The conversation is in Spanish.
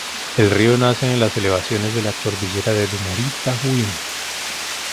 El río nace en las elevaciones en la cordillera de Dumarí-Tahuín.